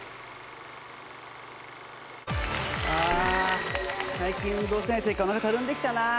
ああ最近運動してないせいかお腹たるんできたな。